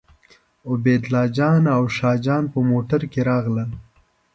عبیدالله جان او شاه جان په موټر کې راغلل.